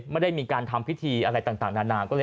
ไม่ได้มีการทำพิธีอะไรต่างนานา